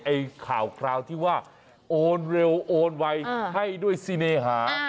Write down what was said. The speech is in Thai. ข่าวคราวที่ว่าโอนเร็วโอนไวให้ด้วยซีเนหา